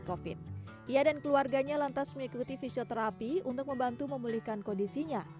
kofit ia dan keluarganya lantas mengikuti fisioterapi untuk membantu memulihkan kondisinya